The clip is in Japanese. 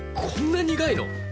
こんな苦いの？